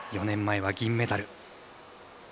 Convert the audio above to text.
４年前は銀メダル。